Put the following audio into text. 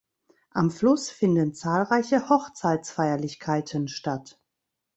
Am Fluss finden zahlreiche Hochzeitsfeierlichkeiten statt.